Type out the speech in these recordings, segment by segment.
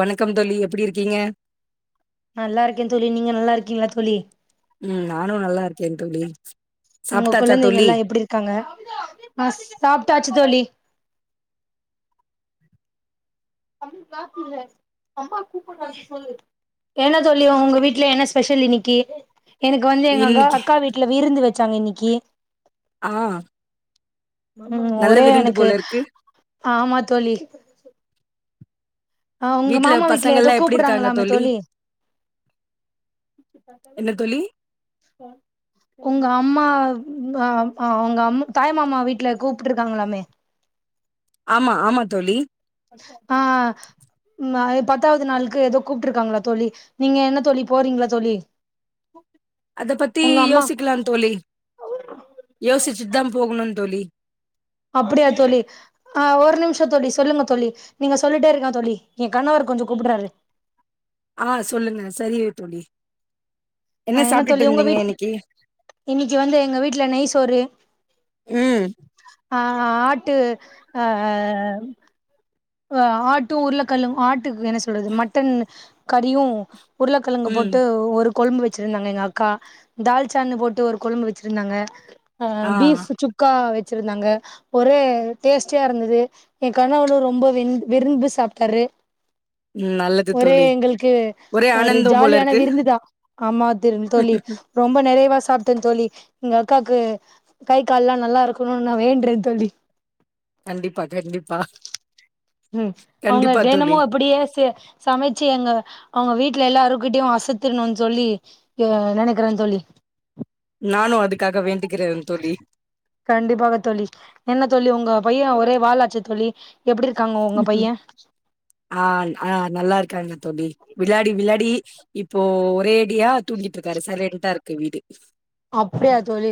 வணக்கம் தோழி எப்டி இருக்கீங்க நல்லா இருக்கே தோழி நீங்க நல்லா இருக்கீங்ளா தோழி ம் நானு நல்லா இருக்கே தோழி உங்க சாப்ட்டாச்சா தோழி? குழந்தைங்கலா எப்டி இருக்காங்க ஆ சாப்ட்டாச்சு தோழி [unintelligible] அம்மாவ கூப்பிடுறாங்க சொல்லு என்ன தோழி உங்க வீட்ல என்ன ஸ்பெஷல் இன்னிக்கி எனக்கு வந்து எங்க க இன்னைக்கு அக்கா வீட் ட்ல விருந்து வச்சாங்க இன்னிக்கி ஆ ம் நல்ல ஒரே விருந்து எனக்கு போல இருக்கு. ஆமா தோழி அ உங்க மாமா வீட்ல ஏதோ பசங்கள்லா எப்டி இருக்காங்க கூப்படுறாங்களாமே தோழி [inaudible] என்ன தோழி? உங்க அம்மா உங்க அம்மா அவுங்க அம்மா தாய் மாமா வீட்ல கூப்புட்ருக்காங்களாமே ஆமா ஆமா தோழி ஆ ஆ அ பத்தாவது நாளுக்கு ஏதோ கூப்ட்ருக்காங்களா தோழி நீங்க என்ன தோழி போறீங்களா தோழி [inaudible] அத பத்தி உங்க அம்மா யோசிக்கலா தோழி யோசிச்சுட்டு தா போகணு தோழி அப்புடியா தோழி ஆ ஒரு நிம்ஷோ தோழி சொல்லுங்க தோழி நீங்க சொல்லிட்டே இருங்க தோழி எ கணவர் கொஞ்சோ கூப்படுறாரு ஆ சொல்லுங்க சரிக தோழி ஆ என்ன சாப்ட்டுட்டு தோழி உங்க இருந்தீங்க வீட் இன்னைக்கு? இன்னிக்கி வந்து எங்க வீட்ல நெய் சோறு ம் ஆ ஆட்டு அ அ அ அ ஆட்டு உருளக்கெழங்கு ஆட்டுக்கு என்ன சொல்றது மட்டன் கடியு உருளைக்கெழங்கு ம் போட்டு ஒரு கொழம்பு வச்சிருந்தாங்க எங்க அக்கா தால்சான்னு போட்டு ஒரு கொழும்பு வச்சிருந்தாங்க அ ஆ பீஃபு சுக் க்கா வச்சிருந்தாங்க ஒரே டேஸ்ட்டியா இருந்தது எ கணவரு ரொம்ப என் விரும்பி சாப்ட்டாரு ம் நல்லது ஒரே தோழி. எங்களுக்கு ஒரே ஒரு ஆனந்தம் போல ஜாலியான இருக்கு. விருந்துதா ஆமா திரு தோழி ரொம்ப நிறைவா சாப்ட்ட தோழி எங்க அக்காக்கு கை கால்லா நல்லா இருக்கணுன்னு நா வேண்டுற தோழி கண்டிப்பா கண்டிப்பா ம் அவுங்க கண்டிப்பா தெனமு தோழி. அப்படியே சே சமைச்சு எங்க அவுங்க வீட்ல எல்லாருக்கிட்டயு அசத்தின்னு சொல்லி எ நெனைக்கிற தோழி நானு அதுக்காக வேண்டிகிறே தோழி கண்டிப்பாக தோழி என்ன தோழி உங்க பைய ஒரே வாலாச்சே தோழி எப்டிருக்காங்க உங்க பைய ஆ ஆ நல்லா இருக்காங்கா தோழி விளாயடி விளாடி இப்போ ஒரேடியா தூங்கிட்டு இருக்காரு சைலன்டா இருக்கு வீடு அப்டியா தோழி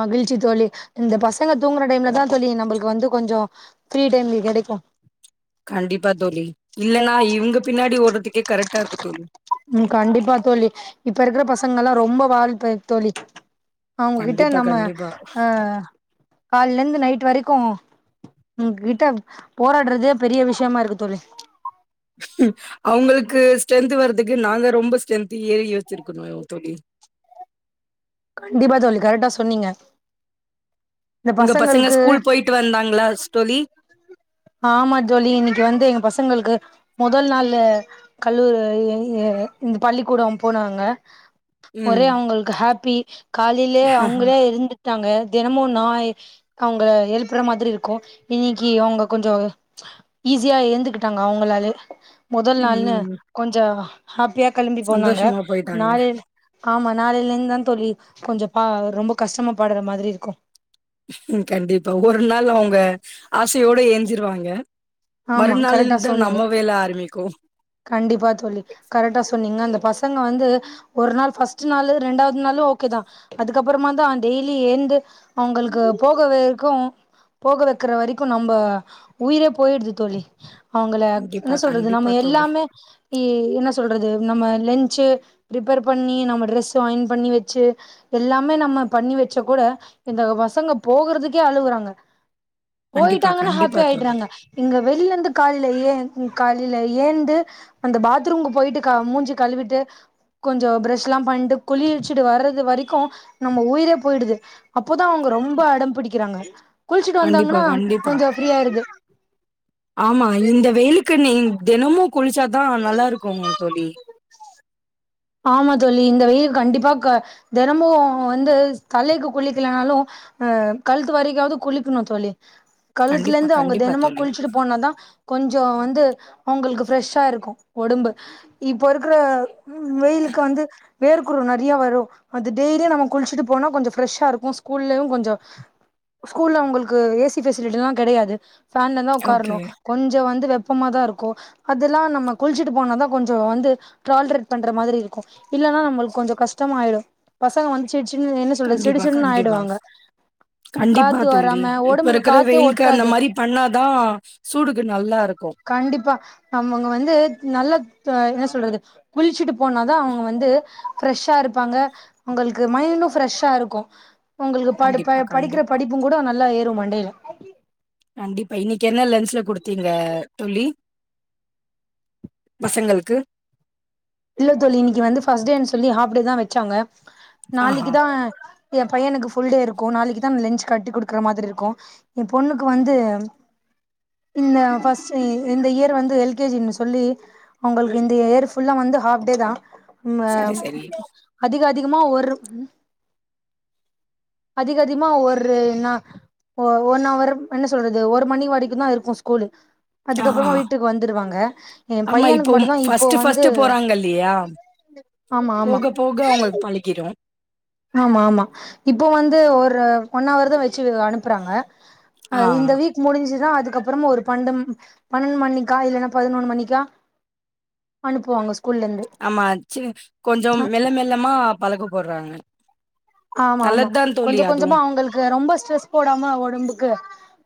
மகிழ்ச்சி தோழி இந்த பசங்க தூங்குற டைம்ல தா தோழி நம்ளுக்கு வந்து கொஞ்சோ ஃப்ரீ டைம்லியு கெடைக்கு கண்டிப்பா தோழி இல்லன்னா இவங்க பின்னாடி ஓடுறதுக்கே கரெக்டா இருக்கு தோழி ம் கண்டிப்பா தோழி இப்ப இருக்கிற பசங்கல்லா ரொம்ப வால் பய தோழி அவுங்ககிட்ட கண்டிப்பா நம்ம கண்டிப்பா. ஆ கால்ல இருந்து நைட் வரைக்கு இவுங்கிட்ட போராடுறதே பெரிய விஷயமா இருக்கு தோழி அவங்களுக்கு ஸ்ட்ரென்த் வரதுக்கு நாங்க ரொம்ப ஸ்ட்ரென்து ஏ யோச்சிருக்கணு தோழி கண்டிப்பா தோழி கரெக்டா சொன்னீங்க இந்த பசங்களுக்கு ட்டு வந்தாங்ளா ஸ் தோழி ஆமா தோழி இன்னைக்கி வந்து எங்க பசங்களுக்கு மொதல் நாள் கல்லூ எ எ இந்த பள்ளிக்கூடம் போனாங்க ஒரே ம் அவுங்களுக்கு ஹேப்பி காலையிலயே அவுங்களே எழுந்து ட்டாங்க தினமு நா அவுங்கள எழுப்பற மாதிரி இருக்கு இன்னைக்கி அவுங்கக் கொஞ்சம் ஈஸியா எழுந்துகிட்டாங்க அவுங்களாலே மொதல் நாள்னு ம் கொஞ்ச ஹாப்பியா கெளம்பி போனாங்க சந்தோஷமா போயிட்டாங்க. நாளைள ஆமா நாளையிலந்து தா தோழி கொஞ்ச பா ரொம்ப கஷ்டமாப்பாடுற மாதிரி இருக்கு ம் கண்டிப்பா ஒரு நாள் அவுங்க ஆசையோட ஏஞ்சிருவாங்க ஆமா கரெக்டா மறுநாள்லிந்து தா சொன்னீங்க நம்ம வேல ஆரம்பிக்கு கண்டிப்பா தோழி கரெக்டா சொன்னீங்க இந்த பசங்க வந்து ஒரு நாள் ஃபர்ஸ்ட் நாள் ரெண்டாவது நாளு ஓகே தா அதுக்கப்பறமாதா டெய்லி ஏந்து அவங்களுக்கு போகவேர்க்கு போக வைக்கிற வரைக்கு நம்ம உயிரே போயிடுது தோழி அவுங்கள என்ன கண்டிப்பா சொல்றது கண்டிப்பா நம்ம தோழி. எல்லாமே என்ன சொல்றது நம்ம லன்ச்சு ப்ரிப்பேர் பண்ணி நம்ம ட்ரெஸ்சு ஆயன் பண்ணி வச்சு எல்லாமே நம்ம பண்ணி வச்ச கூட இந்த பசங்க போகறதுக்கே அழுவுறாங்க கண்டிப்பா போயிட்டாங்கன்னா ஹாப்பி கண்டிப்பா தோழி. ஆயிடுறாங்க இங்க வெளில்ல இருந்து காலைல ஏந் காலைல ஏந்து அந்த பாத்ரூம்கு போயிட்டு மூஞ்சி கழிவிட்டு கொஞ்ச ப்ரஷ்ல்லா பண்ட்டு குளிச்சிட்டு வர்றது வரைக்கு நம்ம உயிரே போயிடுது அப்போதா அவுங்க ரொம்ப அடம் பிடிக்கிறாங்க குளிச்சிட்டு வந்தாங்கன்னா கொஞ்ச ஃப்ரீயா ஆயிருது ஆமாங்க இந்த வெயிலுக்கு நீ தெனமு குளிச்சா தா நல்லா இருக்கு தோழி ஆமா தோழி இந்த வெயிலுக்கு கண்டிப்பா க தெனமு வந்து தலைக்கி குளிக்கலனாலு அ கழுத்து வரைக்காவது குளிக்கணு தோழி கழுத்துல கண்டிப்பா இருந்து அவுங்க கண்டிப்பா தெனமு தோழி. குளிச்சிட்டு போனாதா கொஞ்சோ வந்து அவங்களுக்கு ஃப்ரெஷ்ஷா இருக்கு ஒடம்பு இப்ப இருக்கிற ம் வெயிலுக்கு வந்து வேர்குரு நெறையா வரு அது டெய்லி நம்ம குளிச்சுட்டு போனா கொஞ்ச ஃப்ரெஷ்ஷா இருக்கு ஸ்கூல்லயு கொஞ்ச ஸ்கூல்ல அவங்களுக்கு ஏசி பெசிலிட்டில்லா கெடையாது ஃபேன்லதா உக்கார்ணு ஓகே. கொஞ்ச வந்து வெப்பமா தா இருக்கு அதெல்லா நம்ம குளிச்சுட்டு போனா தா கொஞ்ச வந்து டிரால்ரெட் பண்ற மாதிரி இருக்கும் இல்லன்னா நம்மளுக்கு கொஞ்சம் கஷ்டமாயிடும் பசங்க வந்துச்சு சின் என்ன சொல்றது சிடு கண்டிப்பா சிடுன்னு கண்டிப்பா. ஆயிடுவாங்க கண்டிப்பா காத்து தோழி வராம இப்ப ஒடம்புக்கு இருக்கிற காத்தே வெயிலக்கு அந்த ஒட்டாது மாதிரி பண்ணாதான் சூடுக்கு நல்லா இருக்கும் கண்டிப்பா நம்மங்க வந்து நல்ல என்ன சொல்றது குளிச்சுட்டு போனாதா அவங்க வந்து ஃப்ரெஷ்ஷா இருப்பாங்க உங்களுக்கு மைண்டு ஃப்ரெஷ்ஷா இருக்கு ஒங்களுக்கு படி ப கண்டிப்பா படிக்கிற கண்டிப்பா. படிப்புங் கூட நல்லா ஏறு மண்டைல கண்டிப்பா இன்னைக்கு என்ன லன்ச்ல குடுத்தீங்க தோழி பசங்களுக்கு இல்ல தோழி இன்னைக்கு வந்து ஃபஸ்ட் டேன்னு சொல்லி ஹாஃப் டே தா வச்சாங்க ஆஹா. நாளைக்குதா என் பையனுக்கு ஃபுல் டே இருக்கும் நாளைக்கு தா லஞ்சச் கட்டி குடுக்குற மாதிரி இருக்கும் எ பொண்ணுக்கு வந்து இந்த ஃபஸ்ட் இந்த இயர் வந்து எல் கே ஜி ன்னு சொல்லி அவங்களுக்கு இந்த இயர் ஃபுல்லா வந்து அப்டேதா ம் அ சரி சரி. அதிக அதிகமா ஒரு அதிக அதிகமா ஒரு என்ன ஒ ஒன் அஹவர் என்ன சொல்றது ஒரு மணி வரைக்குந்தா இருக்கும் ஸ்கூல ஆ அதுக்கப்புறமா வீட்டுக்கு வந்துடுவாங்க எ ஆமா பையனுக்கு இப்போ மட்டுந்தா இப்போ ஃபர்ஸ்ட்டு வந்து ஃபர்ஸ்ட்டு போறாங்க இல்லையா? ஆமா ஆமா போக போக அவங்களுக் பழகிடு ஆமா ஆமா இப்ப வந்து ஒரு ஒன் ஹவர் தான் வச்சு அனுப்புறாங்க ஆ. அது இந்த வீக் முடிஞ்சுதான் அதுக்கப்புறமா ஒரு பன்ன பன்னெண்டு மணிக்கா இல்லைன்னா பதினொன்னு மணிக்கா அனுப்புவாங்க ஸ்கூல்லந்து ஆமா சி கொஞ்சம் மெல்ல மெல்லமா பழக்க போடுறாங்க ஆமா ஆமா நல்லதுதான் தோழி கொஞ்சம் கொஞ்சமா அதுவும். அவங்களுக்கு ரொம்ப ஸ்ட்ரெஸ் போடாம உடம்புக்கு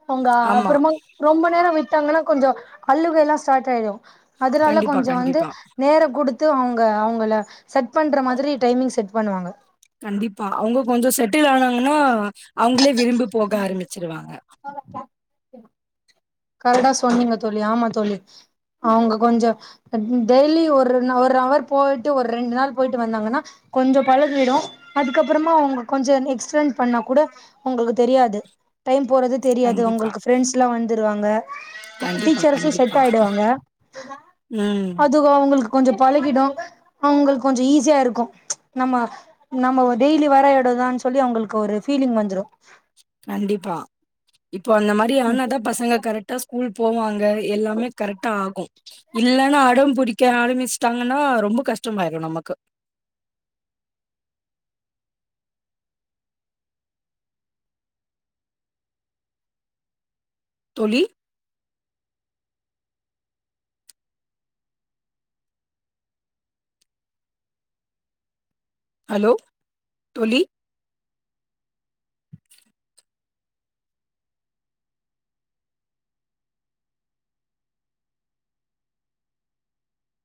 அவங்க ஆமா. அப்பறமா ரொம்ப நேரோ விட்டாங்கன்னா கொஞ்சோ அழுகைல்லா ஸ்டார்ட் ஆயிடு அதனால கண்டிப்பா, கொஞ்சோ வந்து கண்டிப்பா, நேரோ குடுத் த்து அவங்க அவங்கள செட் பண்ற மாதிரி டைமிங் செட் பண்ணுவாங்க கண்டிப்பா அவங்க கொஞ்சொ செட்டில் ஆனாங்கன்னா அவங்களே விரும்பி போக ஆரம்பிச்சிருவாங்க [unintelligible] கரக்டா சொன்னீங்க தோழி ஆமா தோழி அவங்க கொஞ்சோ அ டெய்லி ஒரு ந ஒரு அவர் போயிட்டு ஒரு ரெண்டு நாள் போயிட்டு வந்தாங்கன்னா கொஞ்சம் பழகடும் அதுக்கப்புறமா அவங்க கொஞ்சம் எக்ஸ்டண்ட் பண்ணா கூட ஒங்களுக்கு தெரியாது டைம் போறது தெரியாது கண்டிப்பா, ஒங்களுக்கு ஃப்ரெண்ட்ஸ்லா வந்துருவாங்க கண்டிப்பா, டீச்சர்சு செட் கண்டிப்பா. ஆய்டுவாங்க ம். அது து அவங்களுக்கு கொஞ்சோ பழகிடு அவங்களுக் கொஞ்சோ ஈஸியா இருக்கு நம்ம நம்ம டெய்லி வர இடதான்னு சொல்லி அவங்களுக்கு ஒரு ஃபீலிங் வந்துரும் கண்டிப்பா இப்போ அந்த மாரி ஆனாதா பசங்க கரெக்டா ஸ்கூல் போவாங்க எல்லாமே கரெக்டா ஆகும் இல்லன்னு அடோம் புடிக்க ஆரம்பிச்சுட்டாங்கன்னா ரொம்ப கஷ்டமாயிரு நமக்கு தோழி ஹலோ தோழி